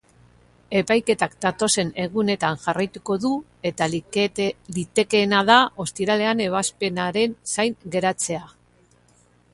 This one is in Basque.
Epaiketak datozen egunetan jarraituko du eta litekeena da ostiralean ebazpenaren zain geratzea.